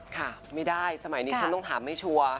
ค่ะไม่ได้สมัยนี้ฉันต้องถามไม่ชัวร์